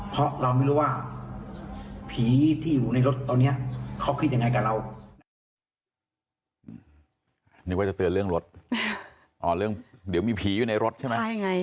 เพราะเราไม่รู้ว่าผีที่อยู่ในรถตอนนี้เขาคิดยังไงกับเรา